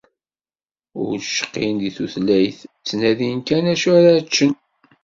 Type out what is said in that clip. Ur d-cqin deg tutlayt, ttnadin kan acu ara ččen.